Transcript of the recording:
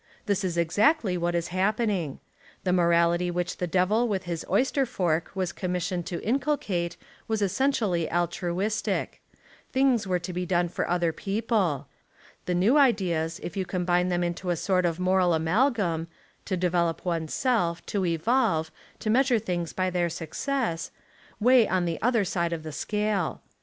This is exactly what is happening. The morality which the Devil with his oyster fork was commissioned to inculcate was essentially altruistic. Things were to be done for other people. The new ideas, if you combine them in a sort of moral amalgam — to develop one's self, to evolve, to measure things by their suc cess — weigh on the other side of the scale.